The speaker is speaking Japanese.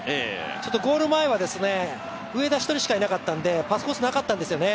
ちょっとゴール前は上田１人しかいなかったんでパスコースなかったんですよね。